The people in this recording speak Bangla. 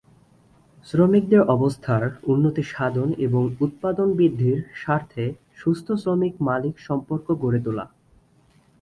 শ্রমিকদের অবস্থার উন্নতি সাধন এবং উৎপাদন বৃদ্ধির স্বার্থে সুস্থ শ্রমিক-মালিক সম্পর্ক গড়ে তোলা।